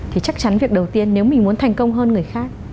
thì chắc chắn việc đầu tiên nếu mình muốn thành công hơn người khác